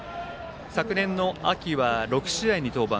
昨年の秋は６試合の登板。